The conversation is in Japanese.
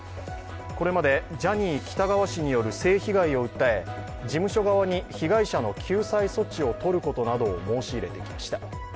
これまでジャニー喜多川氏による性被害を訴え事務所側に被害者の救済措置を取ることなどを申し入れていました。